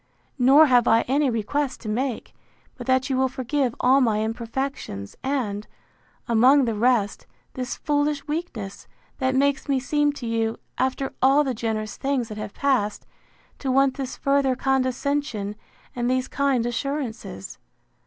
Nor have I any request to make, but that you will forgive all my imperfections and, among the rest, this foolish weakness, that makes me seem to you, after all the generous things that have passed, to want this further condescension, and these kind assurances.